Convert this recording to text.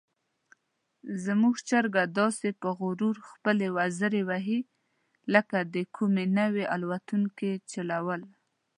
زموږ چرګه داسې په غرور خپلې وزرې وهي لکه د کومې نوې الوتکې چلول.